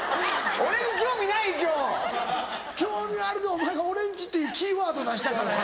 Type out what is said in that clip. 興味はあるけどお前が「俺ん家」ってキーワード出したからやな。